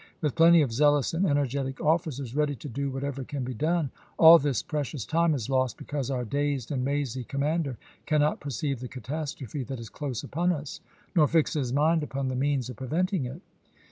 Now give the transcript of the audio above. .. With plenty of zealous and energetic officers ready to do whatever can be done, all this precious time is lost because our dazed and mazy commander cannot perceive the catastrophe that is close upon us, nor fix his mind upon the means of preventing it."